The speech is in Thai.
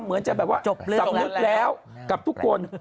เหมือนจะแบบว่าสำนึกแล้วกับทุกคน